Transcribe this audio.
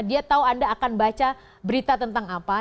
dia tahu anda akan baca berita tentang apa